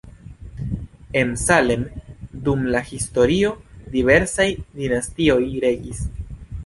En Salem dum la historio diversaj dinastioj regis.